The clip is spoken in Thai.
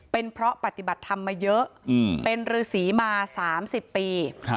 เป็นเพราะปฏิบัติธรรมมาเยอะเป็นฤษีมา๓๐ปี